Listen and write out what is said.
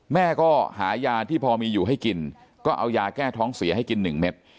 แม่ก็หายาที่พอมีอยู่ให้กินก็เอายาแก้ท้องเสียให้กิน๑เม็ด